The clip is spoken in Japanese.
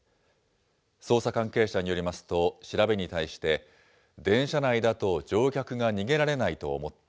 捜査関係者によりますと、調べに対して、電車内だと乗客が逃げられないと思った。